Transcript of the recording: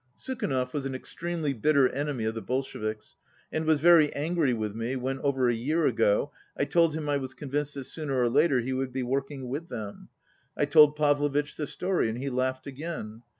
Sukhanov was an extremely bitter enemy of the Bolsheviks, and was very angry with me when, over a year ago, I told him I was convinced that sooner or later he would be working with them. I told Pavlovitch the story, and he laughed again.